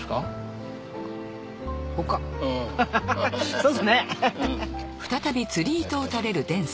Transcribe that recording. そうっすね。